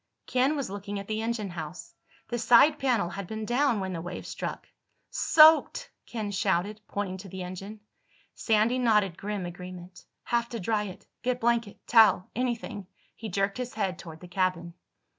Ken was looking at the engine house. The side panel had been down when the wave struck. "Soaked!" Ken shouted, pointing to the engine. Sandy nodded grim agreement. "Have to dry it. Get blanket—towel—anything." He jerked his head toward the cabin.